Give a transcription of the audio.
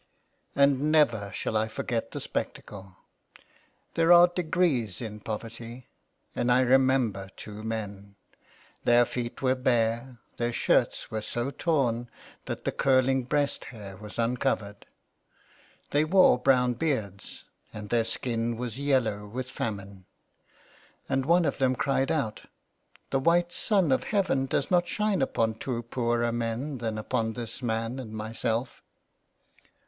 And never shall I forget the spectacle. There are degrees in poverty, and I remember two men : their feet were bare, and their shirts were so torn that the curling breast hair was uncovered. They wore brown beards, and their skin was yellow with famine, and one of them cried out :" The white sun of Heaven does not shine upon two poorer men than upon this man and myself."